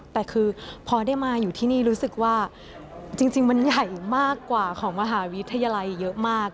แต่คือพอได้มาอยู่ที่นี่รู้สึกว่าจริงมันใหญ่มากกว่าของมหาวิทยาลัยเยอะมาก